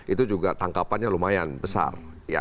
itu juga tangkapannya lumayan besar